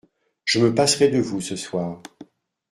Je me passerai de vous ce soir…